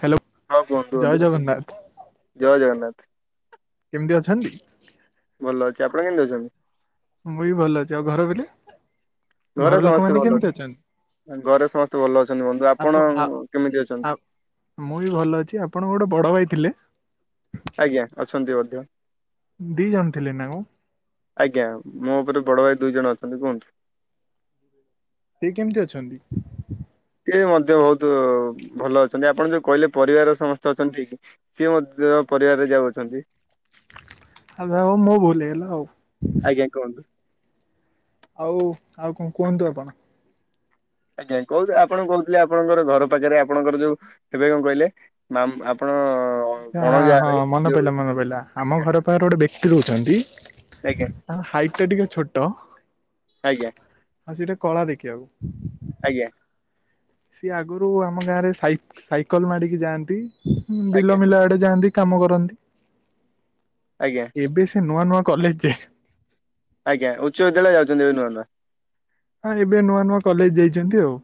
Hello. ହଁ କୁହନ୍ତୁ ଜୟ ବନ୍ଧୁ ଜଗନ୍ନାଥ ଜୟ ଜଗନ୍ନାଥ। କେମିତି ଅଛନ୍ତି? ଭଲ ଅଛି। ଆପଣ କେମିତି ଅଛନ୍ତି? ମୁଁ ବି ଭଲ ଅଛି। ଆଉ ଘର ବିଲେ? ଘରେ ସମସ୍ତେ ଭଲ ଅଛି। ଘରେ ସମସ୍ତେ ଭଲ ଅଛନ୍ତି। ବନ୍ଧୁ ଆପ ଆପଣ ଆ କେମିତି ଅଛନ୍ତି? ଆ ମୁଁ ବି ଭଲ ଅଛି। ଆପଣ ଗୋଟେ ବଡ଼ ଭାଇ ଥିଲେ। ଆଜ୍ଞା, ଅଛନ୍ତି ମଧ୍ୟ। ଦି ଜଣ ଥିଲେ ନା କଣ? ଆଜ୍ଞା ମୋ ଉପରେ ବଡ ଭାଇ ଦୁଇ ଜଣ ଅଛନ୍ତି କୁହନ୍ତୁ। ସେ କେମିତି ଅଛନ୍ତି? ସିଏ ମଧ୍ୟ ବହୁତ ଭଲ ଅଛନ୍ତି। ଆପଣ ଯୋଉ କହିଲେ ପରିବାରର ସମ- ସ୍ତେ ଅଛନ୍ତି ସିଏ ମଧ୍ୟ ପରିବାରରେ ଯାଉଛନ୍ତି। ଆଗୋ ମୋ ଭୁଲ୍ ହେଇଗଲା ଆଉ। ଆଜ୍ଞା କହନ୍ତୁ। ଆଉ ଆଉ କଣ କୁହନ୍ତୁ ଆପଣ? ଆଜ୍ଞା କହୁଚ ଆପଣ କହୁଥିଲେ ଆପଣଙ୍କର ଘର ପାଖରେ ଆପଣଙ୍କର ଯୋଉ କେବେ କଣ କହିଲେ? ବାମ୍ ଆପଣ ଆଚ୍ଛା ହଁ- ଭଣଜାଘରେ ହଁ ମନେ ଯୋଉ ପଡିଲା -ମନେ ପଡିଲା ଆମ ଘର ପାଖରେ ଗୋଟେ ବ୍ୟକ୍ତି ରହୁଛନ୍ତି। ଆଜ୍ଞା ତାଙ୍କ ହାଇଟ୍ ଟା ଟିକେ ଛୋଟ। ଆଜ୍ଞା। ଆଉ ସେ ଟିକେ କଳା ଦେଖିବାକୁ। ଆଜ୍ଞା। ସିଏ ଆଗରୁ ଆମ ଗାଁ ରେ ସାଇକେଲ - ସାଇକେଲ ମାଡିକି ଯାଆନ୍ତି ବିଲ ଆଜ୍ଞା ମିଲ ଆଡେ ଯାଆନ୍ତି। କାମ କରନ୍ତି। ଆଜ୍ଞା। ଏବେ ସେ ନୂଆ- ନୂଆ କଲେଜ୍‌ ଯାଇ ଆଜ୍ଞା ଉଚ୍ଚ ବିଦ୍ୟାଳୟ ଯାଉଛନ୍ତି ଏବେ ନୂଆ ନୂଆ। ହଁ, ଏବେ ନୂଆ ନୂଆ କଲେଜ୍‌ ଯାଇଚନ୍ତି ଆଉ।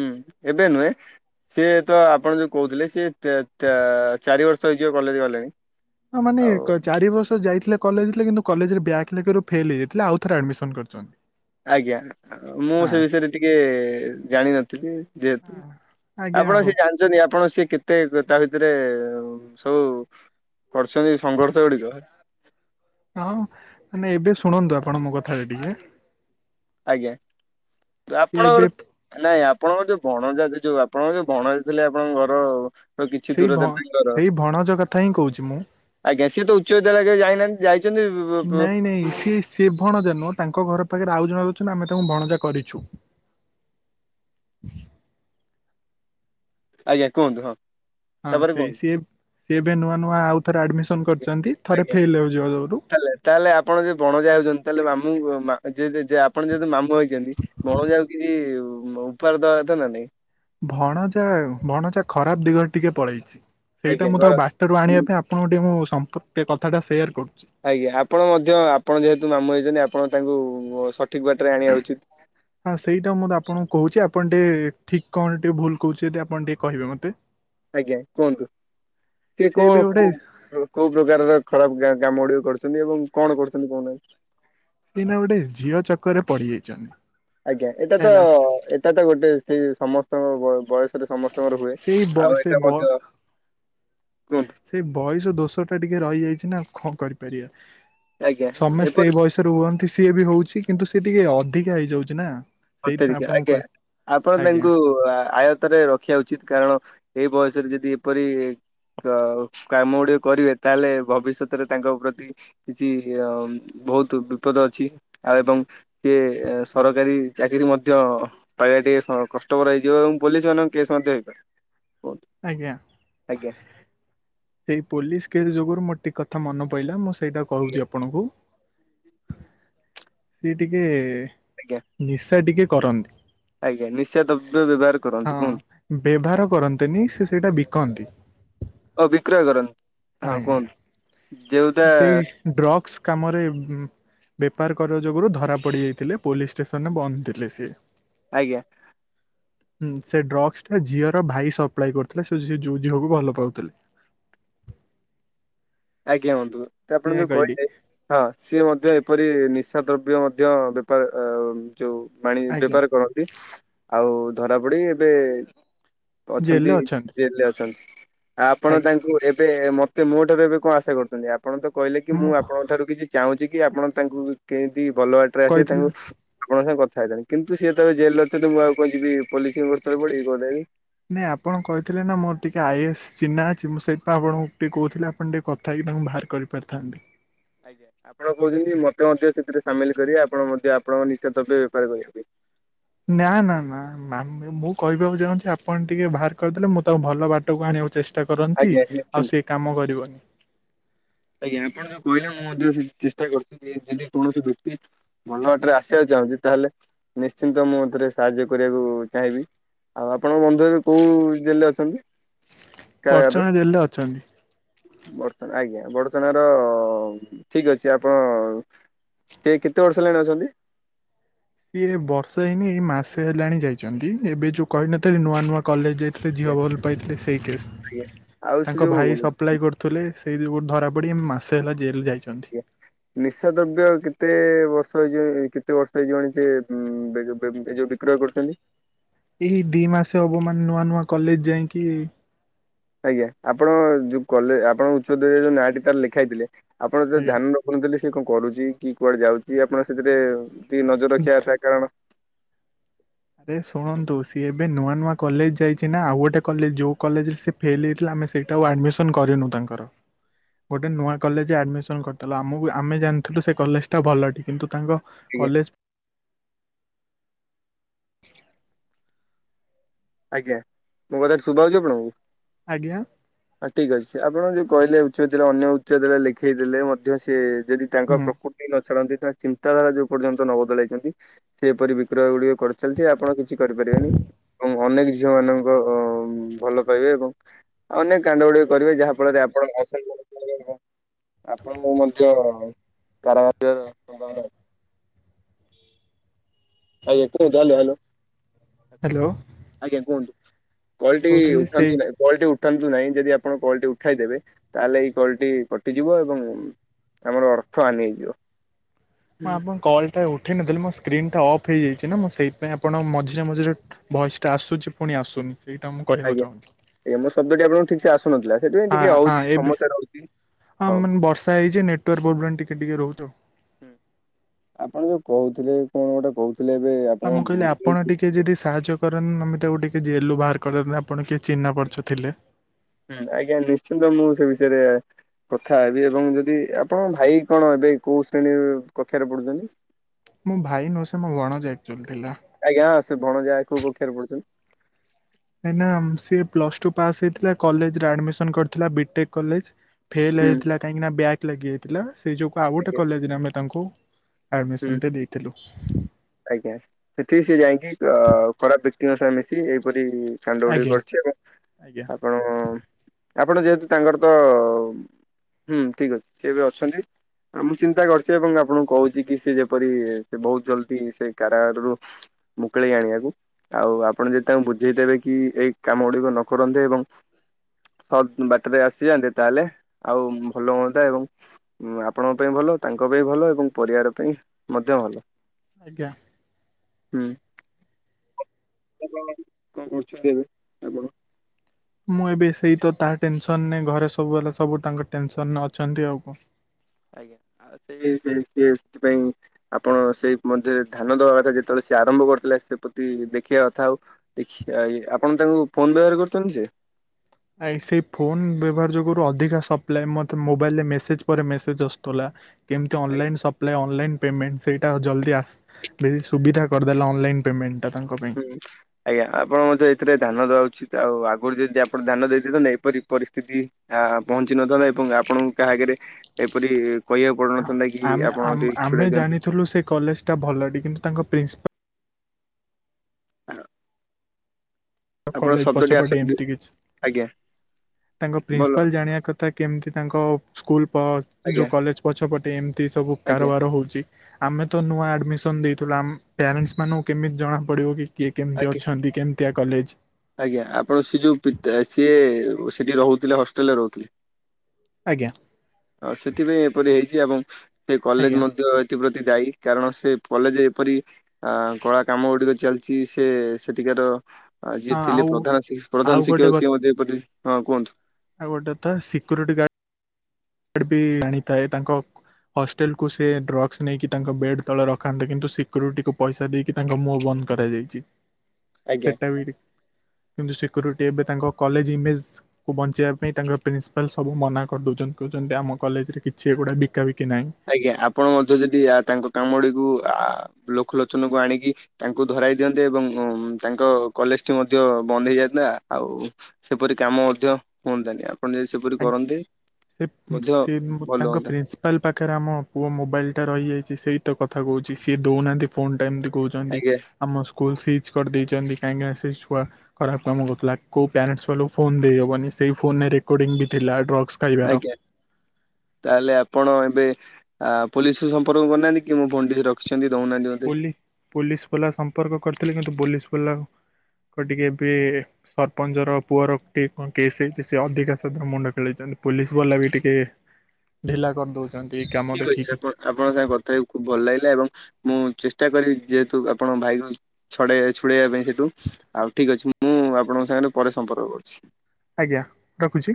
ହୁଁ, ଏବେ ନୁହେଁ। ସିଏ ତ ଆପଣ ଯେଉଁ କହୁଥିଲେ, ସିଏ ଚାରି ବର୍ଷ ହେଇଯିବ କଲେଜ୍‌ ଗଲେଣି। ହଁ ମାନେ ଆଉ ରେଡ୍‌ କଟ୍। ଚାରି ବର୍ଷ ଯାଇଥିଲେ କଲେଜ୍‌ ଥିଲେ କିନ୍ତୁ କଲେଜ୍‌ ରେ ବ୍ୟାକ ଲାଗ ଫେଲ୍ ହେଇଯାଇଥିଲେ ଆଉ ଥରେ ଆଡ଼ମିସନ କରିଛନ୍ତି। ଆଜ୍ଞା ମୁଁ ସେ ଆସ୍ ବିଷୟରେ ଟିକେ ଜାଣିନଥିଲି ଯେହେତୁ ଆଜ୍ଞା। ଆପଣ ହଉ ସେ ଜାଣିଛନ୍ତି, ଆପଣ ସି କେତେ ଗୋଦା ଭିତରେ ଶୋଉ କରିଛନ୍ତି ସଂଘର୍ଷ ଉଡିକା ହଁ, ମାନେ ଏବେ ଶୁଣନ୍ତୁ ଆପଣ ମୋ କଥାଟା ଟିକେ। ଆଜ୍ଞା ଯୋଉ ସିଏ ଏବେ ଆପଣଙ୍କର ନାଇଁ ଆପଣଙ୍କର ଯୋଉ ବଣଜାତି ଯୋଉ ଆପଣଙ୍କର ଯୋଉ ବଣଜାତି ଥିଲେ ଆପଣଙ୍କ ଘର ର କିଛି ସେଇ ଦୂରରେ ଭ ତାଙ୍କର ସେଇ ଭଣଜା କଥା ହିଁ କହୁଛି ମୁଁ। ଆଜ୍ଞା ସିଏ ତ ଉଚ୍ଚ ବିଦ୍ୟାଳୟ ଯାଇନାହାନ୍ତି ଯାଇଚନ୍ତି। ନେସିସ୍‌ ସେ ଭଣଜା ନୁହଁ ତାଙ୍କ ଘର ପାଖରେ ଆଉ ଜଣେ ଅଛନ୍ତି ଆମେ ତାଙ୍କୁ ଭଣଜା କରିଛୁ। [unintelligible] ଆଜ୍ଞା କୁହନ୍ତୁ ହଁ। ହଁ ତାପରେ ସେଇ କୁହନ୍ତୁ ସିଏ- ସିଏ ଏବେ ନୂଆ -ନୂଆ ଆଉ ଥରେ ଆଡ଼ମିସନ୍ କରିଛନ୍ତି, ଥରେ ଆଜ୍ଞା। ଫେଲ୍ ହେଉ ଯିବା ଯୋଗୁରୁ। ତାହେଲେ ତାହେଲେ ଆପଣ ଯଦି ଭଣଜା ହେଉଛନ୍ତି ତାହେଲେ ମାମୁଁ ମା ଯେ ଯେ ଯେ ଆପଣ ଯେହେତୁ ମାମୁ ହୋଇଛନ୍ତି। ଭଣଜା କୁ କିଛି ଉପହାର ଦବା କଥା ନା ନାଇଁ। ଭଣଯା ଭଣଯା ଖରାପ ଦିଗରେ ଟିକେ ପଳେଇଛି ସେଇଟା ଆଜ୍ଞା ମୁଁ ଘର ତାକୁ ବା ଟରୁ ହୁଁ ଆଣିବା ପାଇଁ ଆପଣଙ୍କୁ ଟିକେ ମୁଁ ସମ୍ପୃକ ଟିକେ କଥାଟା ସେୟାର କରୁଛି। ଆଜ୍ଞା ଆପଣ ମଧ୍ୟ ଆପଣ ଯେହେତୁ ମାମୁଁ ହେଇଛନ୍ତି ଆପଣ ତାଙ୍କୁ ସଠିକ ବାଟରେ ଆଣିବା ଉଚିତ୍। ହଁ। ହଁ ସେଇଟା ମୁଁ ତ ଆପଣଙ୍କୁ କହୁଛି ଆପଣ ଟିକେ ଠିକ କଣ ଟିକେ ଭୁଲ କହୁଛି ଯଦି ଆପଣ ଟିକେ କହିବେ ମତେ। ଆଜ୍ଞା କୁହନ୍ତୁ ସେ ସିଏ କଁ ଏବେ ଗୋଟେ କୋଉ। କୋଉ ପ୍ରକାରର ଖରାପ କା କାମ ଗୁଡିକ କରୁଛନ୍ତି ଏବଂ କଣ କରୁଛନ୍ତି କରୁନାହାଁନ୍ତି। ଏଇନା ଗୋଟେ ଝିଅ ଚକର ରେ ପଡିଯାଇଛନ୍ତି। ଆଜ୍ଞା ଏଇଟା ତ ହେଲା। ଏଇଟା ତ ଗୋଟେ ସିଏ ସମସ୍ତଙ୍କ ବ ବୟସ। ସେଇଟା ସମସ୍ତଙ୍କର ହୁଏ ସେଇ ବ ଆଉ ସେ ଏଇଟା ବ ମଧ୍ୟ। କୁହନ୍ତୁ ସେଇ ବୟସ ଦୋଷ ଟା ଟିକେ ରହିଯାଇଛି ନା କଣ କରିପାରିବା ଆଜ୍ଞା ସମସ୍ତେ ଏପରି ଏଇ ବୟସରେ ହୁଅନ୍ତି ସିଏ ବି ହଉଛି କିନ୍ତୁ ସେ ଟିକେ ଅଧିକା ହେଇଯାଉଛି ନା। ସେଇଥିପାଇଁ ଅତ୍ୟଧିକ ଆପଣଙ୍କୁ ଆଜ୍ଞା କହେ ଆପଣ ଆଜ୍ଞା ତାଙ୍କୁ ଆୟତରେ ର ରଖିବା ଉଚିତ କାରଣ ଏ ବୟସରେ ଯଦି ଏପରି ‌ କାଉ କାମ ଗୁଡିକ କରିବେ ତାହେଲେ ଭବିଷ୍ୟତରେ ତାଙ୍କ ପ୍ରତି। କିଛି ଇ ଅମ୍ ବହୁତ ବିପଦ ଅଛି ଆଉ ଏବଂ ସିଏ ସରକାରୀ। ଚାକିରି ମଧ୍ୟ ପାଇବା ଟିକେ କଷ୍ଟକର ହେଇଯିବ ଏବଂ ପୋଲିସ ମାନଙ୍କ କେସ୍ ମଧ୍ୟ ହେଇପାରେ। କୁହନ୍ତୁ। ଆଜ୍ଞା। ଆଜ୍ଞା। ସେଇ ପୋଲିସ କେସ୍ ଯୋଗୁରୁ ମୋର ଟିକେ କଥା ମନେ ପଇିଲଲା ମୁଁ ସେଇଟା କହୁଛି ଆପଣଙ୍କୁ। ସିଏ ଟିକେ ଆଜ୍ଞା ନିଶା ଟିକେ କରନ୍ତି। ଆଜ୍ଞା ନିଶା ଦ୍ରବ୍ୟ ବ୍ୟବହାର କରନ୍ତି କୁହନ୍ତୁ। ବେଭାର କରନ୍ତିନି ସେ ସେଇଟା ବିକନ୍ତି। ଓବିକ୍ରୟ କରନ୍ତି। ହଁ ଆଜ୍ଞା କୁହନ୍ତୁ ଯେଉଟା ସିଏ ସେଇ ଡ୍ରଗ୍ସ କାମରେ। ବେପାର କରିବା ଯୋଗୁରୁ ଧରା ପଡି ଯାଇଥିଲେ ପୋଲିସ ଷ୍ଟେସନରେ ବନ୍ଦ ଥିଲେ ସିଏ। ଆଜ୍ଞା। ହୁଁ ସେ ଡ୍ରଗ୍ସ ଟା ଝିଅର ଭାଇ ସପ୍ଲାଏ କରୁଥିଲେ ସେ ଯୋଉ ଝିଅକୁ ଭଲ ପାଉଥିଲେ। ଆଜ୍ଞା ବନ୍ଧୁ ତ ଆପଣ ସେଇଆ ଯୋଉ କହିଲି କହିଲେ। ହଁ ସିଏ ମଧ୍ୟ ଏପରି ନିଶା ଦ୍ରବ୍ୟ ମଧ୍ୟ ବେପାର ଅ। ଯୋଉ ଆଣି ଆଜ୍ଞା ବେପାର କରନ୍ତି ଆଉ ଧରା ପଡି ଏବେ। ଅଛନ୍ତି ଜେଲରେ ଅଛନ୍ତି ଆ ଆପଣ ଆଜ୍ଞା ତାଙ୍କୁ ଏବେ ମତେ ମୋ ଠାରୁ ଏବେ। କଁ ଆଶା କରୁଛନ୍ତି ଆପଣ ତ କହିଲେ କି ମୁଁ ଆପଣଙ୍କ ଠାରୁ କିଛି ଚାହୁଁଛି କି ଆପଣ ତାଙ୍କୁ କେଁତି ଭଲ ବାଟ ପରେ ଆସିବେ କହିଥିଲି ତାଙ୍କୁ। ଆପଣଙ୍କ ସାଙ୍ଗେ କଥା ହେଇଥାନ୍ତି କିନ୍ତୁ ସିଏ ଯେତେବେଳେ ଜେଲରେ ଥିଲେ ମୁଁ ଆଉ କଁ ଯିବି ପୋଲିସି ଙ୍କ ଗୋଡତଳେ ପଡିବି କଦାବି। ନାଇଁ ଆପଣ କହିଥିଲେ ନା ମୋର ଟିକେ ଆଇଏସ୍ ଚିହ୍ନା ଅଛି ମୁଁ ସେଇଥିାଇଁ ଆପଣଙ୍କୁ ଟିକେ କହୁି ଆପଣ ଟିକେ କଥା। ଥା ହେଇକି ତାଙ୍କୁ ବାହାର କରି ପାରିଥାନ୍ତେ। ଆଜ୍ଞା ଆପଣ କହୁଛନ୍ତି ମୋତେ ମଧ୍ୟ ସେଥିରେ ସାମିଲ କରିବେ ଆପଣ ମଧ୍ୟ ଆପଣଙ୍କ ନିଶା ଦ୍ରବ୍ୟ ବେପାର କରିବା ପାଇଁ। ନା ନା ନା। ଆମେ ମୁଁ କହିବାକୁ ଚାହୁଁଛି ଆପଣ ଟିକେ ବାହାର କରିଦେଲେ ମୁଁ ତାଙ୍କ ଭଲ ବାଟକୁ ଆଣିବାକୁ ଚେଷ୍ ଚେଷ୍ଟା କରନ୍ତି ଆଜ୍ଞା ନିଶ୍ଚିନ୍ତ। ଆଉ ସେ ଏ କାମ କରିବନି। ଆଜ୍ଞା ଆପଣ ଯୋଉ କହିଲେ ମୁଁ ମଧ୍ୟ ସେ ଚେଷ୍ଟା କରୁଛିି ଯେ ଯଦି କୌଣସି ବ୍ୟକ୍ତି। ଭଲ ବାଟରେ ଆସିବାକୁ ଚାହୁଁଚି, ତାହେଲେ ନିଶ୍ଚିନ୍ତ ମୁଁ ଏଥିରେ ସାହାଯ୍ୟ କରିବାକୁ ଚାହିଁବି। ଆଉ ଆପଣଙ୍କ ବନ୍ଧୁ ଏବେ କୋଉ ଜେଲ୍ ରେ ଅଛନ୍ତି? ବଡଚଣା ଜେଲ୍ ରେ ଅଛନ୍ତି। ବଡଚଣା ଆଜ୍ଞା ବଡ ଚଣା ର ଠିକ୍ ଅଛି ଆପଣ କେ କେତେ ବର୍ଷ ହେଲାଣି ଅଛନ୍ତି? ସିଏ ବର୍ଷ ହେଇନି ଏଇ ମାସ ହେଲାଣି ଯାଇଚନ୍ତି। ଏବେ ଯୋଉ କହିନଥିଲି ନୂଆ ନୂଆ କଲେଜ୍ ଯାଇଥିଲେ ଝିଅ ଆଜ୍ଞା ଭଲ ପାଇଥିଲେ ସେଇ କେସ୍। ଆଜ୍ଞା ଆଉ ସେ ତାଙ୍କ ଯୋଉ ଭାଇ ସ ସପ୍ଲାଏ କରୁଥିଲେ ସେଇ ଯୋଉ କୋଉଠି ଧରାପଡ଼ି ମାସେ ହେଲା ଜେଲ୍ ଯାଇଛନ୍ତି। ସ୍ଵ ନିଶା ଦ୍ରବ୍ୟ କେତେ ବର୍ଷ ହେଇଯିବ କେତେ ବର୍ଷ ହେଇଯିବଣି ସିଏ। [unintelligible] [unintelligible] ଏଇ ଦି ମାସେ ହବ ମାନେ ନୂଆ ନୂଆ କଲେଜ୍ ଯାଇଁକି ଆଜ୍ଞା। ଆପଣ ଯୋଉ କଲେ ଆପଣ ଉଚ୍ଚ ବିଦ୍ୟାଳୟ ରେ ଯୋଉ ନାଁଟି ତାର ଲେଖାଇଥିଲେ ଆପଣ ତ ଆଜ୍ଞା ଧ୍ୟାନର ଖୁନଥିଲେ ସିଏ କଣ କରୁଚି କି କୁଆଡେ ଯାଉଚି ଆପଣ ସେଥିରେ ଟିକେ ନଜର ରଖିବା କଥା। କାରଣ ଆରେ ଶୁଣନ୍ତୁ ସିଏ ଏବେ ନୂଆ ନୂଆ କଲେଜ୍ ଯାଇଚି ନା ଆଉ ଗୋଟେ କଲେଜ ଯୋଉ କଲେଜରେ ସେ ଫେଲ୍ ହେଇଥିଲା ଆମେ ସେଇଟା ଆଉ ଆଡମିସନ୍ କରିନୁ ତାଙ୍କର। ଗୋଟେ ନୂଆ କଲେଜ୍ ରେ ଆଡ଼ମିସନ୍ କରିଥିଲୁ। ଆମକୁ ଆମେ ଜାଣିଥିଲୁ ସେ କଲେଜଟା ଭଲ। କିନ୍ତୁ ତାଙ୍କ ଆଜ୍ଞା କଲେଜ୍ ଆଜ୍ଞା। ମୋ କଥା ଟି ଶୁଭା ଯାଉଚି ଆପଣଙ୍କୁ? ଆଜ୍ଞା। ହଁ ଠିକ୍ ଅଛି। ଆପଣ ଯୋଉ କହିଲେ ଉଚ୍ଚ ବିଦ୍ୟାଳୟ ଅନ୍ୟ ଉଚ୍ଚ ବିଦ୍ୟାଳୟ ଲେଖେଇ ଦେଲେ ମଧ୍ୟ ସିଏ ଯଦି ତାଙ୍କ ହୁଁ ପ୍ରକୃତି ନ ଛାଡନ୍ତି, ତାଙ୍କ ଚିନ୍ତାଧାରା ଯୋଉ ପର୍ଯ୍ୟନ୍ତ ନ ବଦଳାଇଛନ୍ତି, ସେପରି ବିକ୍ରୟ ଗୁଡିକ କରିଚାଲିଥିବେ ଆପଣ କିଛି କରିପାରିବେନି। ଅନେକ ଝିଅ ମାନଙ୍କ ଭଲ ପାଇବେ। ଏବଂ ଆଉ ଅନେକ କାଣ୍ଡ ଗୁଡିକ କରିବେ। ଯାହା ଫଳରେ ଆପଣ। [unintelligible] ଆପଣଙ୍କୁ ମଧ୍ୟ। [unintelligible] ଆଜ୍ଞା। କୁହନ୍ତୁ ହାଲୋ ହାଲୋ। ହାଲୋ। ଆଜ୍ଞା କୁହନ୍ତୁ। କଲ୍ ଟି କହୁଥିଲି ସେଇ ଉଠାନ୍ତୁ ନାହିଁ। କଲ୍ ଟି ଉଠାନ୍ତୁ ନାହିଁ। ଯଦି ଆପଣ କଲ୍ ଟି ଉଠାଇଦେବେ ତାହେଲେ ଏଇ କଲ୍ ଟି କଟିଯିବ। ଏବଂ ଆମର ଅର୍ଥ ହାନି ହେଇଯିବ। ମୁଁ ଆପଣ କଲ୍ ଟା ଉଠେଇ ନଥିଲି ମୋ ସ୍କ୍ରିନ୍ ଟା ଅଫ୍ ହେଇଯାଇଚି ନା ମୁଁ ସେଇଥିପାଇଁ ଆପଣ ମଝିରେ ମଝିରେ ଭଏସ୍ ଟା ଆସୁଚି ପୁଣି ଆସୁନି। ସେଇଟା ମୁଁ କହିବାକୁ ଚାହୁଁଚି। ଏ ମୋ ଶବ୍ଦଟି ଆପଣଙ୍କୁ ଠିକ୍ ସେ ଆସୁନଥିଲା। ସେଥିପାଇଁ ହଁ ଟିକେ ହଁ ହଉଚି ଏବେ ସମସ୍ୟା ରହୁଚି ହଁ ହଉ। ମାନେ ବର୍ଷା ହେଇଚି ନେଟ୍ ନେଟୱର୍କ ପ୍ରୋବ୍ଲେମ୍ ଟିକେ ଟିକେ ରହୁଚି ଆଉ। ଆପଣ ଯୋଉ କହୁଥିଲେ କଣ ଗୋଟେ କହୁ ତାହେଲେ ଏବେ ଆ ମୁଁ କହିଲି ଆପଣ ଟି କେ ଯଦି ସାହାଯ୍ୟ କରନ୍ ଆମେ ତାକୁ ଟିକେ ଜେଲ୍ ରୁୁ ବାହାର କରିଦିଅନ୍ତୁ, ଆପଣ କିଏ ଚିହ୍ନା ପରିଚ ଥିଲେ। ହୁଁ। ଆଜ୍ଞା ନିଶ୍ଚିନ୍ତ ମୁଁ ସେ ବିଷୟରେ କଥା ହେବି। ଏବଂ ଯଦି ଆପଣଙ୍କ ଭାଇ କଣ ଏବେ କୋଉ ଶ୍ରେଣୀ କକ୍ଷାରେ ପଢ଼ୁଛନ୍ତି? ମୋ ଭାଇ ନୁହେଁ ସେ ମୋ ଭଣଜା ଆକଚୁଆଲି ଥିଲା। ଆଜ୍ଞା। ସେଇ ଭଣଜା କୋଉ କକ୍ଷା ରେ ପଢ଼ୁଛନ୍ତି? ସିଏ ପ୍ଲସ୍ ଟୁ ପାସ୍ ହେଇଥିଲା। କଲେଜ୍ ରେ ଆଡମିସନ୍ କରିଥିଲା ବିଟେକ୍ କଲେଜ୍। ଫେଲ ହୁଁ ହେଇଥିଲା କାହିଁକି ନା ବ୍ୟଗ ଲାଗିଯାଇଥିଲା ସେଇ ଯୁଗୁ ଆଉ ଗୋଟେ ଆଜ୍ଞା କଲେଜେରେ ଆମେ ତାଙ୍କୁ ହୁଁ ଆଡ଼ମିସନ୍ ଟେ ଦେଇଥିଲୁ। ଆଜ୍ଞା ସେଠିକି ସିଏ ଯାଇକି ଅ ଖରାପ ବ୍ୟକ୍ତିଙ୍କ ସଙ୍ଗ ମିଶି ଏଇପରି କାଣ୍ଡ ଗୁଡି କ ଆଜ୍ଞା କରିଚି ଏବଂ ଆଜ୍ଞା ଆପଣ ଆପଣ ଯେହେତୁ ତାଙ୍କର ତ ହୁଁ ଠିକ୍ ଅଛି ସିଏ ଏବେ ଅଛନ୍ତି ଆଉ ମୁଁ ଚିନ୍ତା କରିଛି ଏବଂ ଆପଣଙ୍କୁ କହୁଚି କି? ସ ଯେପରି ସେ ବହୁତ ଜଲ୍ ଦି ସେ କାରାଗାରରୁ ମୁକୁଳେଇ ଆଣିବାକୁ। ଆଉ ଆପଣ ଯଦି ତାଙ୍କୁ ବୁଝେଇଦେବେ କି ଏଇ କାମ ଗୁଡିକ ନ କରନ୍ତେ ଏବଂ ସତ୍ ବାଟରେ ଆସିଯାଆନ୍ତେ ତାହେଲେ ଆଉ ଭଲ ହୁଅନ୍ତା ଏବଂ ଉ ଆପଣଙ୍କ ପାଇଁ ଭଲ ତାଙ୍କ ପାଇଁ ଭଲ ଏବଂ ପରିବାର ପାଇଁ ମଧ୍ୟ ଭଲ। ଆଜ୍ଞା। ହୁଁ କଣ କରୁଛନ୍ତି ଏବେ ଆପଣ? ମୁଁ ଏବେ ସେଇ ତ ତା ଟେନ୍ ସନ୍ରରେ ଘରେ ସବୁହେଲା ସବୁ ତାଙ୍କ ଟେନ୍ ସନ୍ ଅଛନ୍ତି ଆଉ କଣ। ଆଜ୍ଞା ସେଇ ସେଇ ସିଏଥେ୍ ପାଇଁ। ଆପଣ ସେଇ ମଧ୍ୟରେ ଧ୍ୟାନ ଦବା କଥା ଯେତେବେଳେ ସେ ଆରମ୍ଭ କରିଥିଲା ସେ ପ୍ରତି ଦେଖିବା କଥା ଆଉ। ଦେଖିଆ ଏ ଆପଣ ତାକୁ ଫୋନ ବ୍ୟବହାର କରୁଛନ୍ତି ସେ? ଆ ସେଇ ଫୋନ୍ ବ୍ୟବହାର ଯୋଗୁରୁ ଅଧିକା ସପ୍ଲାଏ ମତେ ମୋବାଇଲ୍ ରେ ମେସେଜେ ପରେ ମେସେଜେ ଆସୁଥୁଲା। କେମିତି ଅନଲାଇନ୍ ସପ୍ଲାଏ ଅନଲାଇନ୍। ପେମେଣ୍ଟେ ସେଇଟା ଜଲ୍ଦି ଆସ ବେଶୀ ସୁବିଧା କରିଦେଲା ଅନଲାଇନ୍ ପେମେଣ୍ଟେ। ହୁଁ। ଆଜ୍ଞା ଆପଣ ମଧ୍ୟ ଏଥିରେ ଧାନ ଦବା ଉଚିତ ଆଉ ଆଗରୁ ଯେଦି ଆପଣ ଧାନ ଦେଇଦେଇଥାନ୍ତେ ଏପରି ପରିସ୍ଥିତି ଆ ପହଞ୍ଚିିନଥାନ୍ତା ଏବଂ ଆପଣ କାହା ଆଗରେ ଏପରି କହିବାକୁ ପଡୁନଥାନ୍ତା କି ଆମେ ଆପଣ ଆମେ ଟିକେ ଛିଡେଇ ଆମେ ଦିଅନ୍ତୁ। ଜାଣିଥିଲୁ ସେ କଲେଜ ଟା ଭଲ କିନ୍ତୁ ତାଙ୍କ ପ୍ରିନିସିପାଲ ଆପଣ କଲେଜ ଶବ୍ଦଟି ପଛପଟେ ଆସନ୍ତି ଏମିତି କିଛି ଆଜ୍ଞ। ତାଙ୍କ ପ୍ରିନ୍ସିପାଲ ଜାଣିବା କଥା କେମିତି ତାଙ୍କ ସ୍କୁଲ ଆଜ୍ଞା ଯୋଉ କଲେଜ ପଛପଟେ ଏମିତି ସବୁ ଆଜ୍ଞା କାରବାର ହଉଛି। ଆମେ ତ ନୂଆ ଆଡମିସନ ନେଇଥିଲୁ ଆମ ପ୍ୟାରେଣ୍ଟେସ୍ ମାନଙ୍କୁ କେମିତି ଜଣା ପଡିବ କି। କିଏ ଆଜ୍ଞା। କେମିତି ଅଛନ୍ତି କେମିତିଆ କଲେଜ? ଆଜ୍ଞା ଆପଣ ସେ ଯୋଉ ପି ସିଏ ସେଠି ରହୁଥିଲେ ହଷ୍ଟେଲେ୍ରେ ରହୁଥିଲେ। ଆଜ୍ଞା। ଆଉ ସେଥିପାଇଁ ଏପରି ହେଇଛି ଏବଂ ସେ କଲେଜ ଆଜ୍ଞା ମଧ୍ୟ ସେଥିପ୍ରତି ଦାୟୀ କାରଣ ସେ କଲେଜ ଏପରି ଅଆ କଳା କାମ ଗୁଡିକ ଚାଲିଚି। ଯିଏ ସେ ସେଠିକାର ହଁ ଯିଏ ଥିଲେ ଆଉ ପ୍ରଧାନ ଆଉ ପ୍ରଧାନ ଗୋଟେ ଶିକ୍ଷକ କ- ସିଏ ମଧ୍ୟ ଏପଟେ ହଁ କୁହନ୍ତୁ। ଆଉ ଗୋଟେ ତ ସିକ୍ୟୁରିଟି ଗାଡ। ଫ୍ରିବି ଆଣିଥାଏ ତାଙ୍କ ହଷ୍ଟେଲ୍ କୁୁ ସେ ଡ୍ରଗ୍ସ୍ ନେଇକି ତାଙ୍କ ବେଡ୍ ତଳେ ରଖାନ୍ତେ କିନ୍ତୁ ସିକ୍ୟୁରିଟିକୁୁ ପଇସା ଦେଇକି ତାଙ୍କ ମୁହ ବନ୍ଦ କରାଯାଇଛି। ଆଜ୍ଞା। ସେଟା ବି ଠିକ୍ କିନ୍ତୁ ସିକ୍ୟୁରିଟି ଏବେ ତାଙ୍କ କଲେଜ ଇମେଜ ବଞ୍ଚେଇବା ପାଇଁ ତାଙ୍କର ପ୍ରିନ୍ସିପାଲ ସବୁ ମନା କରିଦଉଚନ୍ତି। କହୁଛନ୍ତି ଆମ କଲେଜେରେ କିଛି ଏଗୁଡ଼ା ବିକାାବିକି ନାହିଁ। ଆଜ୍ଞା ଆପଣ ମଧ୍ୟ ଯଦି ତାଙ୍କ କାମ ଗୁଡିକୁ ଲୋକଲୋଚନକୁ ଆଣିକି ତାଙ୍କୁ ଧରାଇ ଦିଅନ୍ତେ ଏବଂ ତାଙ୍କ କଲେଜେ୍ ଟି ମଧ୍ୟ ବନ୍ଦ ହେଇଯାଇନ୍ତା ଆଉ। ସେପରି କାମ ମଧ୍ୟ ହୁଅନ୍ତାନି ଆପଣ ଯଦି ସେପରି କରନ୍ତେ ମଧ୍ୟ ଭଲ ହୁଅନ୍ତା। ପ୍ରିନ୍ସିପାଲ ପାଖରେ ଆମ ପୁଅ ମୋବାଇଲ ଟା ରହିଯାଇଛି ସେଇତ କଥା କହୁଛି ସିଏ ଦଉନାହାନ୍ତି ଫୋନ୍ ଟା ଏମିତି କହୁଛି। ଜନ୍ତି ଆଜ୍ଞା ଆମ ସ୍କୁଲ ସିଜ୍ କରିଦେଇଛନ୍ତି କାହିଁକି ନା ସେଇ ସ୍କା ଖରାପ କାମ କରୁଥିଲା କୋଉ ପ୍ୟାରେଣ୍ଟସ ବାଲାଙ୍କୁ ଫୋନ ଦେଇହବନି ସେଇ ଫୋନ ରେ ରେକର୍ଡିଙ୍ଗ ବି ଥିଲା ଡ୍ରଗସ ଆଜ୍ଞା ତାହେଲେ ଆପଣ ଏବେ ଆ ପୋଲିସକୁ ସମ୍ପର୍କ କରନାହାନ୍ତି କି ମୋ ଭଣ୍ଡି ରଖିଛନ୍ତି ଦଉନାହାନ୍ତି। ମତେ। ପୋଲି ପୋଲିସ ବାଲା ସମ୍ପର୍କ କରିଥିଲେି କିନ୍ତୁ ପୋଲିସ ବାଲାଙ୍କ ଟିକେ ଏବେ ସରପଞ୍ଚର ପୁଅର ଟିକେ କଣ କେସ୍ ହେଇଛି ସେ ଅଧିକା ସେଥିରେ ମୁଣ୍ଡ ଖେଳାଇଛନ୍ତି ପୋଲିସ ବାଲା ବି ଟିକେ ଢିଲା କରିଦଉ ଠିକ୍ ଅଛି ଆପ୍ ଆପଣଙ୍କ ସାଙ୍ଗେ କଥା ହେଇକି ଖୁବ ଭଲ ଲାଗିଲା ଏବଂ ମୁଁ ଚେଷ୍ଟା କରିବି ଯେହେତୁ ଆପଣ ଭାଇକୁ ଛଡେଇ ଛୁଡେଇବା ପାଇଁ ସେଠୁ ଆଉ ଠିକ ଅଛି ମୁଁ ଆପଣଙ୍କ ସାଙ୍ଗରେ ପରେ ସମ୍ପର୍କ କରୁଛି। ଆଜ୍ଞା ରଖୁଛି।